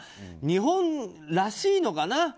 日本らしいのかな。